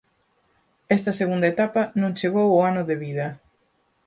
Esta segunda etapa non chegou ao ano de vida.